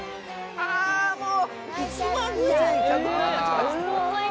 あもう。